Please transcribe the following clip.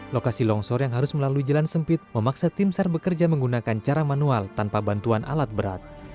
lokasi longsor yang harus melalui jalan sempit memaksa tim sar bekerja menggunakan cara manual tanpa bantuan alat berat